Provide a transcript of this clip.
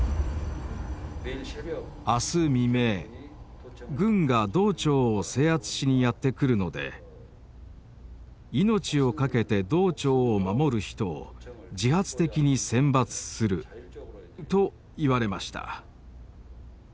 「明日未明軍が道庁を制圧しにやって来るので命を懸けて道庁を守る人を自発的に選抜する」と言われました。